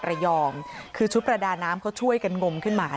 ระยองคือชุดประดาน้ำเขาช่วยกันงมขึ้นมา